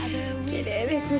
きれいですね。